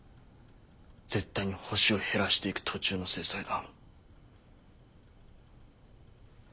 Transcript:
絶対に星を減らしていく途中の制裁だ。